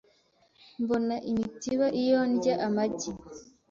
Mbona imitiba iyo ndya amagi .